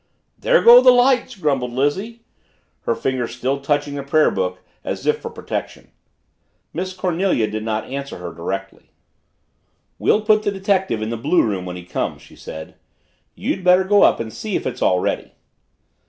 "There go the lights!" grumbled Lizzie, her fingers still touching the prayer book, as if for protection. Miss Cornelia did not answer her directly. "We'll put the detective in the blue room when he comes," she said. "You'd better go up and see if it's all ready."